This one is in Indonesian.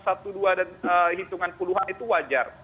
satu dua dan hitungan puluhan itu wajar